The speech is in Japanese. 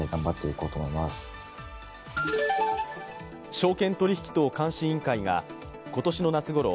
証券取引等監視委員会が今年の夏ごろ